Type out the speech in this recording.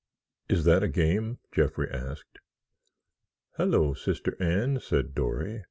"Is that a game?" Jeffrey asked. "Hello, Sister Anne," said Dory.